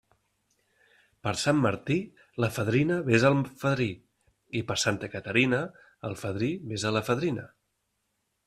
Per Sant Martí, la fadrina besa al fadrí, i per Santa Caterina el fadrí besa a la fadrina.